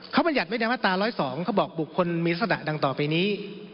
ข้าพัญญัติเมตตา๑๐๒เขาบอกบุคคลมีลักษณะดังต่อไปนี้